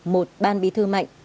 một ban bí thư mạnh